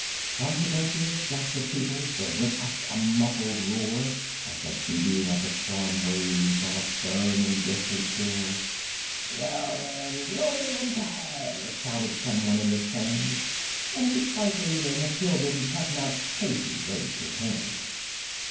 From the benches, black with people, there went up a muffled roar, Like the beating of the storm waves on a stern and distant shore; "Kill him! Kill the umpire!" shouted some one in the stand. And it's likely they'd have killed him had not Casey raised his hand.